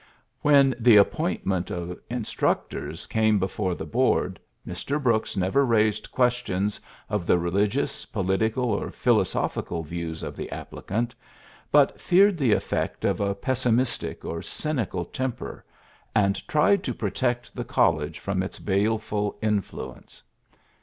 When the appointment of instructors came be fore the board, Mr. Brooks never raised questions of the religious, political, or philosophical views of the applicant, but feared the effect of a pessimistic or cynical temper, and tried to protect PHILLIPS BKOOKS 75 the college from its baleful influence.